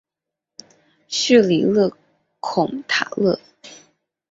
叙里勒孔塔勒。